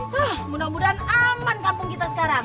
wih mudah mudahan aman kampung kita sekarang